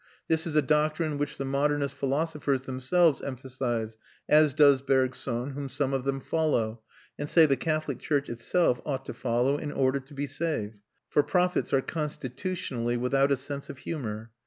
This is a doctrine which the modernist philosophers themselves emphasise, as does M. Bergson, whom some of them follow, and say the Catholic church itself ought to follow in order to be saved for prophets are constitutionally without a sense of humour.